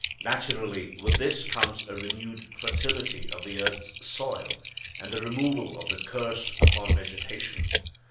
Naturally, with this comes a renewed fertility of the earth's soil, and the removal of the curse upon vegetation.